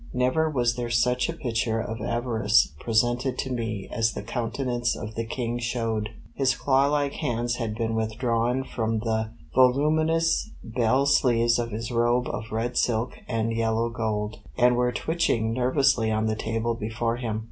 Never was there such a picture of avarice presented to me as the countenance of the King showed. His claw like hands had been withdrawn from the voluminous bell sleeves of his robe of red silk and yellow gold, and were twitching nervously on the table before him.